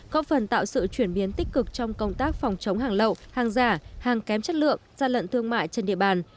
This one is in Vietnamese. có phần tạo sự chuyển biến tích cực trong công tác phòng chống hàng lậu hàng giả hàng kém chất lượng gian lận thương mại trên địa bàn